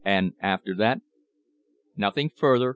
And after that?" "Nothing further.